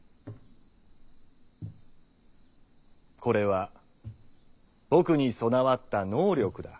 これは僕に備わった「能力」だ。